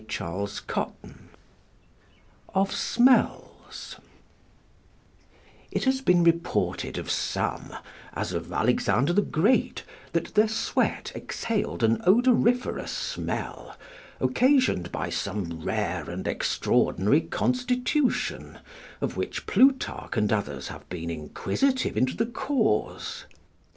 CHAPTER LV OF SMELLS It has been reported of some, as of Alexander the Great, that their sweat exhaled an odoriferous smell, occasioned by some rare and extraordinary constitution, of which Plutarch and others have been inquisitive into the cause.